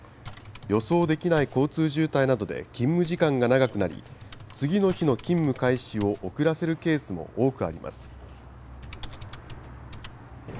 予想できない交通渋滞などで勤務時間が長くなり、次の日の勤務開始を遅らせるケースも多くあります。